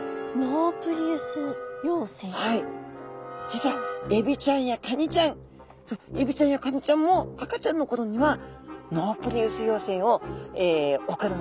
実はエビちゃんやカニちゃんエビちゃんやカニちゃんも赤ちゃんのころにはノープリウス幼生を送るんですね。